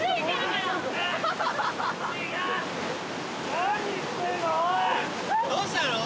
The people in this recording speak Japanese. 何してんのおい！